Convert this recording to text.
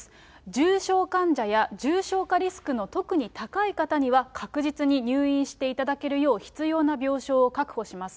重症患者や重症化リスクの特に高い方には、確実に入院していただけるよう必要な病床を確保します。